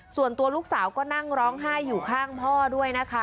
ส่วนตัวลูกสาวก็นั่งร้องไห้อยู่ข้างพ่อด้วยนะคะ